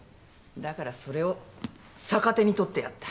だからそれを逆手に取ってやった。